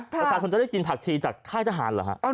ประชาชนจะได้กินผักชีจากค่ายทหารเหรอฮะ